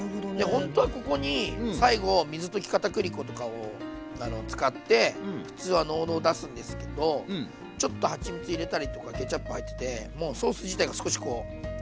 ほんとはここに最後水溶きかたくり粉とかを使って普通は濃度を出すんですけどちょっとはちみつ入れたりとかケチャップ入っててもうソース自体が少しこう見えるかな？